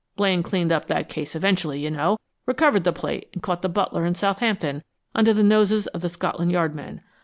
Blaine cleaned up that case eventually, you know recovered the plate and caught the butler in Southampton, under the noses of the Scotland Yard men.